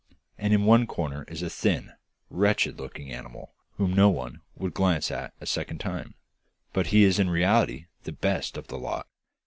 And in one corner is a thin, wretched looking animal whom no one would glance at a second time, but he is in reality the best of the lot.